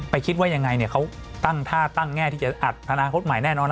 ไปคิดว่ายังไงเนี่ยเขาตั้งท่าตั้งแง่ที่จะอัดฐานาคตหมายแน่นอน